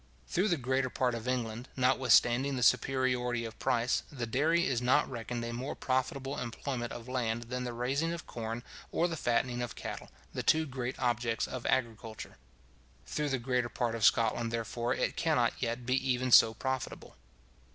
Through the greater part of England, notwithstanding the superiority of price, the dairy is not reckoned a more profitable employment of land than the raising of corn, or the fattening of cattle, the two great objects of agriculture. Through the greater part of Scotland, therefore, it cannot yet be even so profitable.